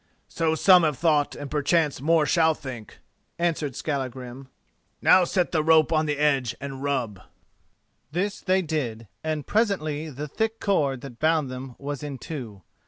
"So some have thought and perchance more shall think," answered Skallagrim. "Now set the rope on the edge and rub." This they did, and presently the thick cord that bound them was in two.